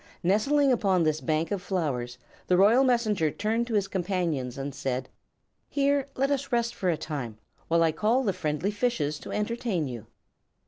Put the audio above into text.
Nestling upon this bank of flowers the Royal Messenger turned to his companions and said: "Here let us rest for a time, while I call the friendly fishes to entertain you."